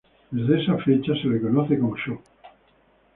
Desde esa fecha, se lo conoce como Chō.